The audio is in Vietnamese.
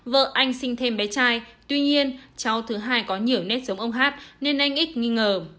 vợ anh sinh thêm bé trai tuy nhiên cháu thứ hai có nhiều nét giống ông hát nên anh ích nghi ngờ